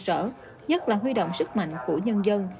còn mang cơ sở nhất là huy động sức mạnh của nhân dân